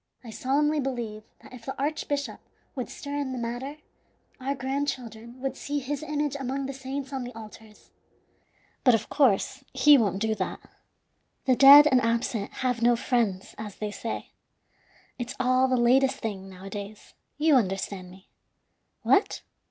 I solemnly believe that if the archbishop would stir in the matter, our grandchildren would see his image among the saints on the altars. But, of course, he won't do that. The dead and absent have no friends, as they say. It's all the latest thing, nowadays; you understand me. What?